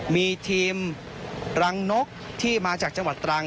มีทีมรังนกที่มาจากจังหวัดตรัง